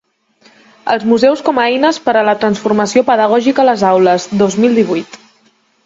Els museus com a eines per a la transformació pedagògica a les aules, dos mil divuit.